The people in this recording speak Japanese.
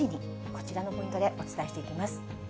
こちらのポイントでお伝えしていきます。